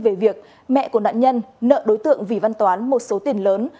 về việc mẹ của nạn nhân nợ đối tượng vì văn toán một số tiền lớn